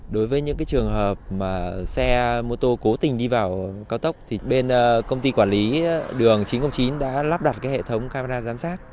đối với những trường hợp xe mô tô cố tình đi vào cao tốc thì bên công ty quản lý đường chín trăm linh chín đã lắp đặt hệ thống camera giám sát